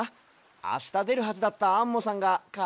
あしたでるはずだったアンモさんがかぜをひいちゃって。